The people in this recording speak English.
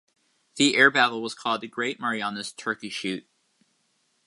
The air battle was called the "Great Marianas Turkey Shoot".